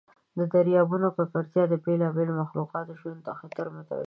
د دریابونو ککړتیا د بیلابیلو مخلوقاتو ژوند ته خطر متوجه کوي.